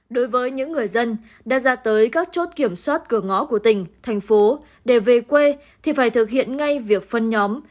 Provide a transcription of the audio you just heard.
đối với những người dân đã ra tới các chốt kiểm soát cửa ngõ của tỉnh thành phố để về quê thì phải thực hiện ngay việc phân nhóm